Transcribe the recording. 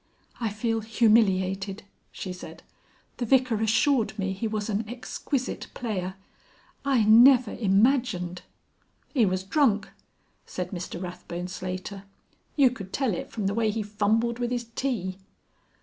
"I feel humiliated," she said. "The Vicar assured me he was an exquisite player. I never imagined...." "He was drunk," said Mr Rathbone Slater. "You could tell it from the way he fumbled with his tea."